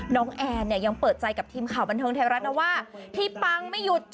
น้องแอนต์ยังเปิดใจกับทีมข่าวบรรเทิง